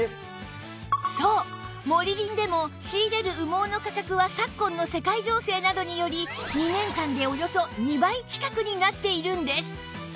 そうモリリンでも仕入れる羽毛の価格は昨今の世界情勢などにより２年間でおよそ２倍近くになっているんです